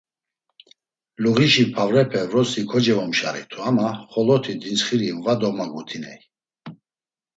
Luğişi pavrepe vrosi kocevomşaritu ama xoloti dintsxiri va domagutiney.